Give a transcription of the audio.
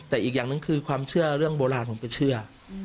แต่อีกอย่างหนึ่งคือความเชื่อเรื่องโบราณผมจะเชื่อ